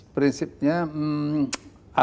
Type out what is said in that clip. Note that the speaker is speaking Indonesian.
prinsipnya apa yang salahnya